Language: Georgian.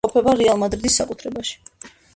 იმყოფება „რეალ მადრიდის“ საკუთრებაში.